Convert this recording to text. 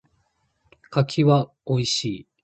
柿は美味しい。